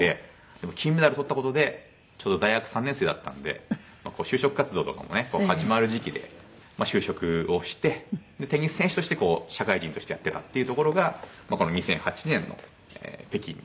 でも金メダルとった事でちょうど大学３年生だったので就職活動とかもね始まる時期で就職をしてテニス選手として社会人としてやってたっていうところがこの２００８年の北京で。